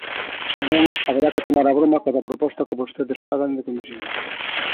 Se non, haberá que tomar a broma cada proposta que vostedes fagan de comisión.